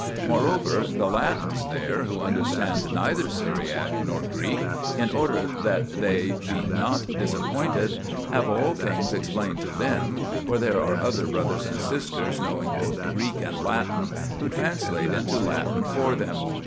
More over, the Latins here, who understand neither Syriac nor Greek, in order that they be not disappointed, have (all things) explained to them, for there are other brothers and sisters knowing both Greek and Latin, who translate into Latin for them.